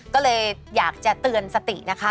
ก็เลยอยากจะเตือนสตินะคะ